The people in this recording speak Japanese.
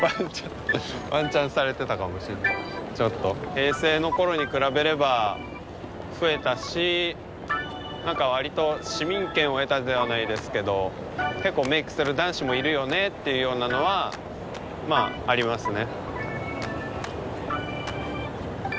平成のころに比べれば増えたし何かわりと市民権を得たではないですけど結構メイクする男子もいるよねっていうようなのはまあありますね。